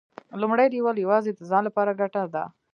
لومړی لیول یوازې د ځان لپاره ګټه ده.